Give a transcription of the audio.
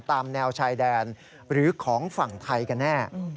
ตามแนวชายแดนหรือของฝั่งไทยกันแน่